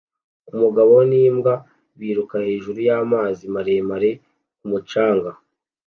Umugabo n'imbwa biruka hejuru y'amazi maremare ku mucanga